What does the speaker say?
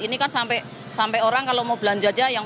ini kan sampai orang kalau mau belanja aja yang